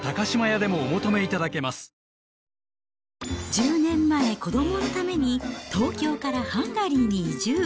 １０年前、子どものために東京からハンガリーに移住。